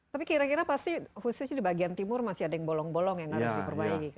tapi kira kira pasti khususnya di bagian timur masih ada yang bolong bolong yang harus diperbaiki